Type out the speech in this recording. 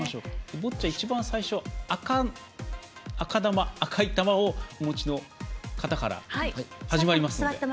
ボッチャ、一番最初は赤い球をお持ちの方から始まりますので。